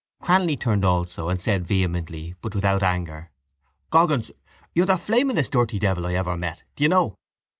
Cranly turned also and said vehemently but without anger: —Goggins, you're the flamingest dirty devil I ever met, do you know.